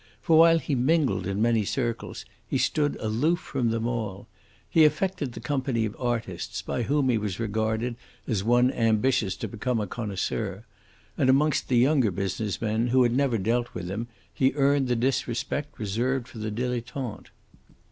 For while he mingled in many circles, he stood aloof from all. He affected the company of artists, by whom he was regarded as one ambitious to become a connoisseur; and amongst the younger business men, who had never dealt with him, he earned the disrespect reserved for the dilettante.